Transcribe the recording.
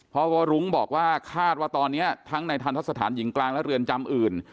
วรุ้งบอกว่าคาดว่าตอนนี้ทั้งในทันทะสถานหญิงกลางและเรือนจำอื่น